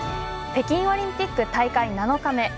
北京オリンピック大会７日目。